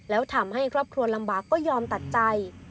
แล้วทำให้ครอบครัวลำบากก็ยอมตัดใจ